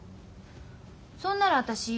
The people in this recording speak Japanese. そんなら私